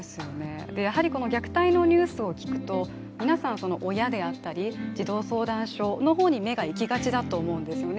やはりこの虐待のニュースを聞くと皆さん親であったり児童相談所の方に目がいきがちだと思うんですよね。